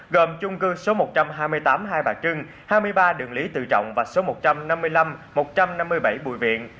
gồm chung cư số một trăm hai mươi tám hai bà trưng hai mươi ba đường lý tự trọng và số một trăm năm mươi năm một trăm năm mươi bảy bùi viện